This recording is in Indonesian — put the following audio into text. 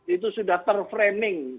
itu sudah terframing